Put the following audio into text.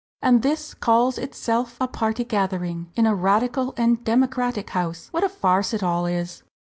"And this calls itself a party gathering in a radical and democratic house what a farce it all is!"